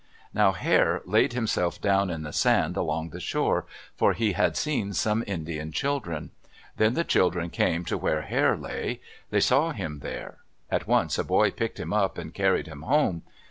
Now Hare laid himself down in the sand along the shore, for he had seen some Indian children. Then the children came to where Hare lay. They saw him there. At once a boy picked him up and carried him home.